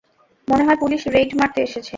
মনে হয় police raid মারতে এসেছে।